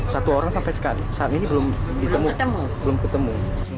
satu orang sampai sekarang saat ini belum ketemu